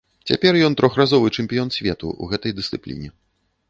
Цяпер ён трохразовы чэмпіён свету ў гэтай дысцыпліне.